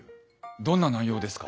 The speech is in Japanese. どんな内容ですか？